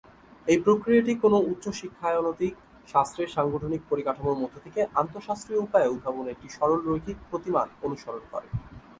এই প্রক্রিয়াটি কোনও উচ্চশিক্ষায়তনিক শাস্ত্রের সাংগঠনিক পরিকাঠামোর মধ্যে থেকে অন্তঃশাস্ত্রীয় উপায়ে উদ্ভাবনের একটি সরলরৈখিক প্রতিমান অনুসরণ করে।